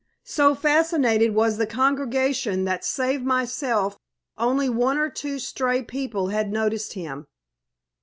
So fascinated was the congregation that save myself only one or two stray people had noticed him.